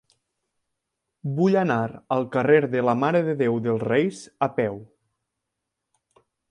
Vull anar al carrer de la Mare de Déu dels Reis a peu.